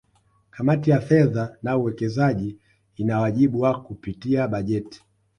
Kamati ya Fedha na Uwekezaji ina wajibu wa kupitia bajeti